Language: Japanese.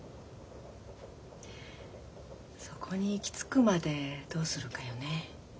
そこに行き着くまでどうするかよね。